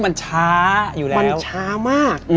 มันช้าอยู่แล้วมันช้ามาก